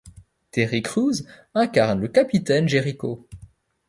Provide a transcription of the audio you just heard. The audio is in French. Terry Crews incarne le capitaine Jericho.